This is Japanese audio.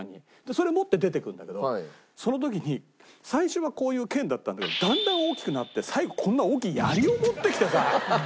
それ持って出て行くんだけどその時に最初はこういう剣だったんだけどだんだん大きくなって最後こんな大きい槍を持ってきてさ。